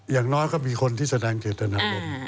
อย่างน้อยก็มีคนที่แสดงเจตนารมณ์